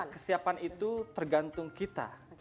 kesiapan itu tergantung kita